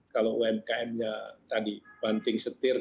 kalau umkm nya tadi banting setir